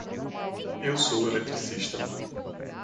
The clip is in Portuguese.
Eu sou eletricista.